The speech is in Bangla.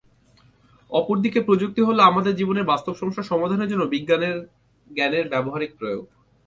অপরদিকে প্রযুক্তি হলো আমাদের জীবনের বাস্তব সমস্যা সমাধানের জন্য বিজ্ঞানের জ্ঞানের ব্যবহারিক প্রয়োগ।